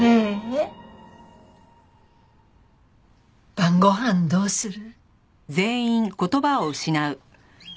晩ご飯どうする？